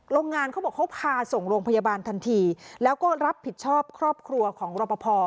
โรงงานเขาบอกเขาพาส่งโรงพยาบาลทันทีแล้วก็รับผิดชอบครอบครัวของรอปภ